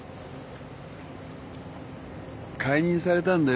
解任されたんだよ